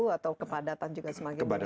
atau kepadatan juga semakin meningkat